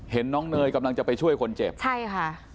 น้องเนยกำลังจะไปช่วยคนเจ็บใช่ค่ะ